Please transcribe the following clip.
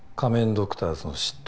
ドクターズの執刀